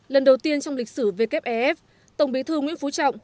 lần đầu tiên trong lịch sử wef tổng bí thư nguyễn phú trọng